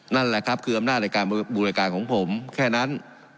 นั่นแหละครับคืออำนาจในการบริการของผมแค่นั้น